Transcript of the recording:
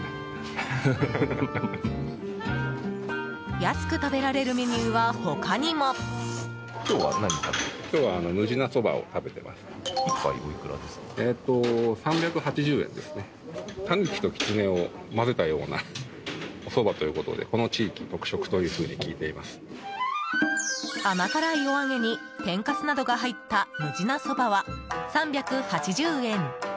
安く食べられるメニューは他にも。甘辛いお揚げに天かすなどが入ったむじなそばは、３８０円。